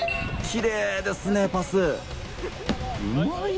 きれいですね、パス。